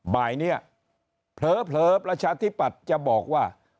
บ่ายนี้เผลอประชาธิปัตย์จะบอกว่า